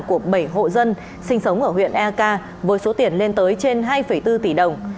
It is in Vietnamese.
của bảy hộ dân sinh sống ở huyện eak với số tiền lên tới trên hai bốn tỷ đồng